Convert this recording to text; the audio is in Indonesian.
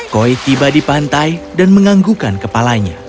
koi tiba di pantai dan menganggukan kepalanya